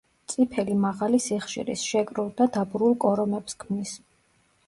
წიფელი მაღალი სიხშირის, შეკრულ და დაბურულ კორომებს ქმნის.